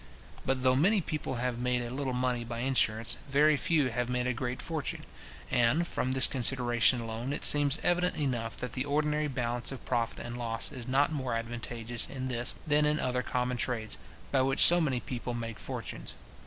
But though many people have made a little money by insurance, very few have made a great fortune; and, from this consideration alone, it seems evident enough that the ordinary balance of profit and loss is not more advantageous in this than in other common trades, by which so many people make fortunes.